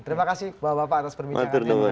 terima kasih bapak bapak atas perbincangannya